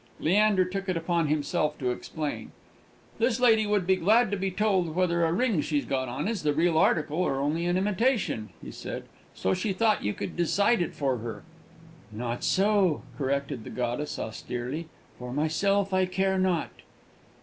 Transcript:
Leander took it upon himself to explain. "This lady would be glad to be told whether a ring she's got on is the real article or only imitation," he said, "so she thought you could decide it for her." "Not so," corrected the goddess, austerely. "For myself I care not!"